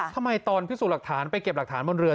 ทำไมตอนพิสูจน์หลักฐานไปเก็บหลักฐานบนเรือ